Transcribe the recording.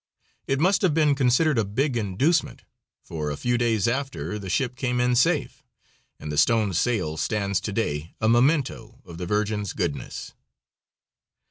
It must have been considered a big inducement, for a few days after the ship came in safe, and the stone sail stands to day a memento of the Virgin's goodness.